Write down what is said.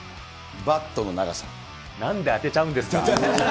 なんで当てちゃうんですか。